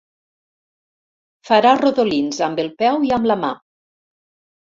Farà rodolins amb el peu i amb la mà.